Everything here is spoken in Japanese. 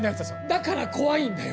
だから怖いんだよ。